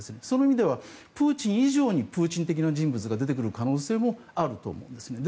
その意味ではプーチン以上にプーチン的な人物が出てくる可能性もあると思います。